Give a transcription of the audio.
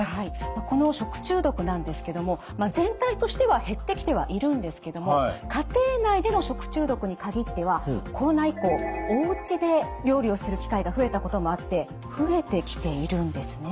この食中毒なんですけども全体としては減ってきてはいるんですけども家庭内での食中毒に限ってはコロナ以降おうちで料理をする機会が増えたこともあって増えてきているんですね。